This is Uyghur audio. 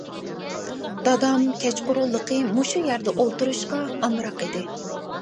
-دادام كەچقۇرۇنلۇقى مۇشۇ يەردە ئولتۇرۇشقا ئامراق ئىدى.